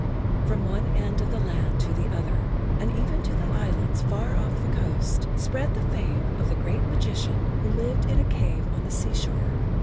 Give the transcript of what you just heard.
From one end of the land to the other, and even to the islands far off the coast, spread the fame of the great magician who lived in a cave on the sea shore.